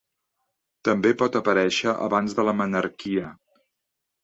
També, pot aparèixer abans de la menarquia.